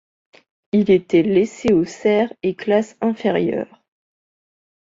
Il était laissé aux serfs et classes inférieures.